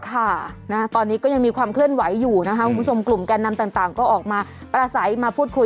ค่ะนะตอนนี้ก็ยังมีความเคลื่อนไหวอยู่นะคะคุณผู้ชมกลุ่มแก่นำต่างก็ออกมาประสัยมาพูดคุย